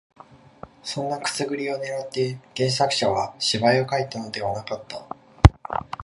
そんなくすぐりを狙って原作者は芝居を書いたのではなかった